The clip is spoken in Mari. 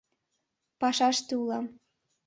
Пашаште улам.